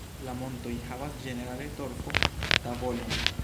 La montoj havas ĝenerale torfo-tavolon.